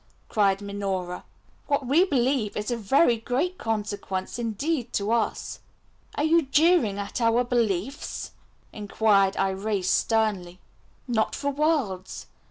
cried Minora. "What we believe is of very great consequence indeed to us." "Are you jeering at our beliefs?" inquired Irais sternly. "Not for worlds.